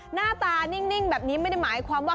หน้าตานิ่งแบบนี้ไม่ได้หมายความว่า